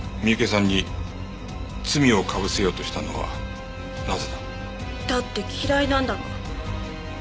三池さんに罪をかぶせようとしたのはなぜだ？だって嫌いなんだもん。